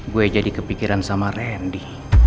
gue jadi kepikiran sama randy